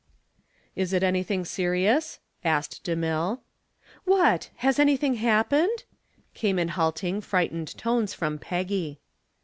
"Is it anything serious?" asked DeMille. "What! has anything happened?" came in halting, frightened tones from Peggy.